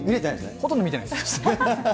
ほとんど見てないです。